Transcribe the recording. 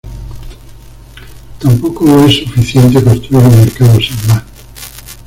Tampoco es suficiente construir un mercado sin más.